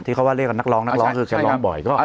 ที่เขาว่าเรียกกับนักร้องนักร้องคือแกร้องบ่อย